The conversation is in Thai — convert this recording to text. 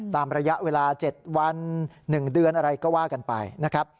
ตามระยะเวลา๗วัน๑เดือนอะไรก็ว่ากันไปนะครับ